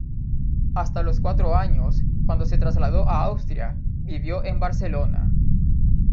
Hasta los cuatro años, cuando se trasladó a Austria, vivió en Barcelona.